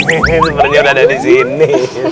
ini sebenarnya udah ada disini